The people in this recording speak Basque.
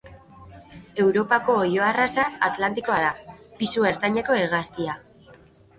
Europako oilo arraza atlantikoa da, pisu ertaineko hegaztia.